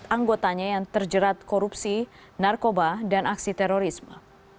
anggotanya yang terjerat korupsi narkoba dan aksi terorisme